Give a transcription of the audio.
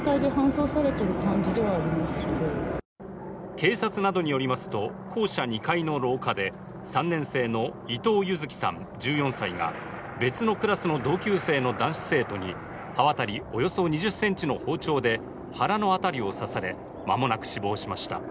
警察などによりますと校舎２階の廊下で、３年生の伊藤柚輝さん１４歳が別のクラスの同級生の男子生徒に刃渡りおよそ２０ｃｍの包丁で腹の辺りを刺され、間もなく死亡しました。